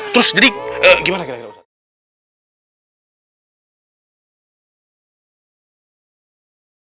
terus jadi gimana kira kira ustadz